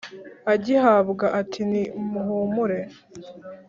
agihabwa ati ni muhumure.